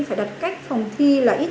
phải đặt cách phòng thí sinh